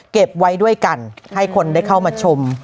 เก็บไว้ด้วยกันให้คนได้เข้ามาชม